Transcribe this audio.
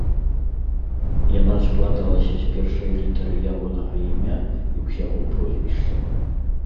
Яна складалася з першай літары ягонага імя і ўсяго прозвішча.